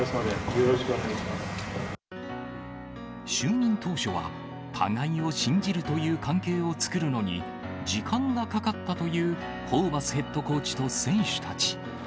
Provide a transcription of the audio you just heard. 就任当初は、互いを信じるという関係を作るのに、時間がかかったというホーバスヘッドコーチと選手たち。